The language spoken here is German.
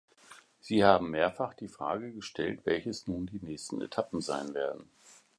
Sie haben mehrfach die Frage gestellt, welches nun die nächsten Etappen sein werden.